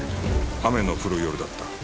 雨の降る夜だった